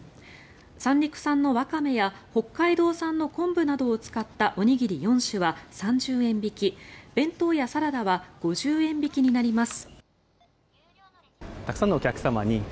三陸産のワカメや北海道産の昆布などを使ったおにぎり４種は３０円引き弁当やサラダは５０円引きになります。